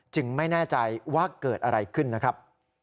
ไม่แน่ใจว่าเกิดอะไรขึ้นนะครับ